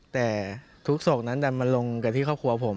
แต่ทุกศพนั้นดันมาลงกับที่ครอบครัวผม